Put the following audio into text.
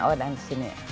oh ada di sini